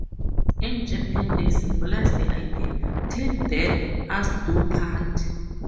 In Japan they symbolise the idea "till death us do part".